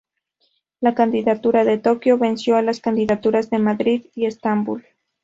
La candidatura de Tokio venció a las candidaturas de Madrid y Estambul.